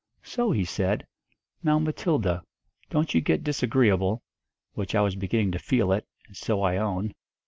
So he said, 'Now, Matilda, don't you get disagreeable' which I was beginning to feel it, and so I own.